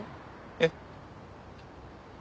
えっ？